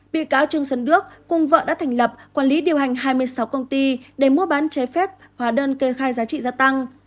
bị cáo trương xuân đức cùng vợ đã thành lập quản lý điều hành hai mươi sáu công ty để mua bán trái phép hóa đơn kê khai giá trị gia tăng